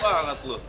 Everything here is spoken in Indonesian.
semangat banget lo